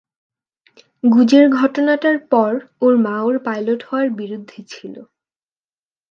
গুজের ঘটনাটার পর, ওর মা ওর পাইলট হওয়ার বিরুদ্ধে ছিল।